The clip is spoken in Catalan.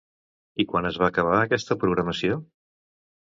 I quan es va acabar aquesta programació?